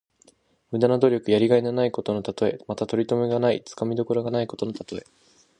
無駄な努力。やりがいのないことのたとえ。また、とりとめがない、つかみどころがないことのたとえ。